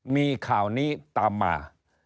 มีข่าวนี้ตามมา